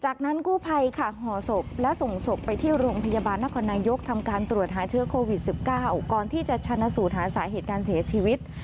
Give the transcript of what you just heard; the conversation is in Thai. จากนั้นกู้ภัยค่ะห่อศพและส่งศพไปที่โรงพยาบาลนครนายกทำการตรวจหาเชื้อโควิด๑๙ก่อนที่จะชนะสูตรหาสาเหตุการเสียชีวิต